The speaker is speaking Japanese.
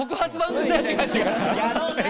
やろうぜ！